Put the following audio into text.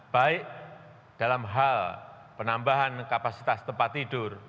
baik dalam hal penambahan kapasitas tempat tidur